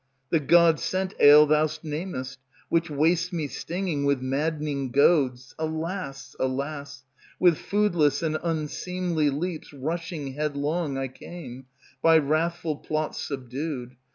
The god sent ail thou'st named, Which wastes me stinging With maddening goads, alas! alas! With foodless and unseemly leaps Rushing headlong, I came, By wrathful plots subdued.